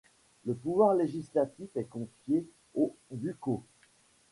Le pouvoir législatif est confié au Gukhoe.